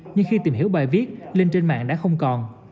nhưng khi tìm hiểu bài viết lên trên mạng đã không còn